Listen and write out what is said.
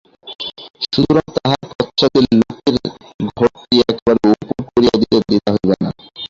সুতরাং তাহারই পশ্চাতে লক্ষ্মীর ঘটটি একবারে উপুড় করিয়া দিতে দ্বিধা হইবে না।